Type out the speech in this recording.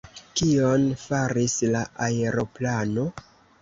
Kion faris la aeroplano?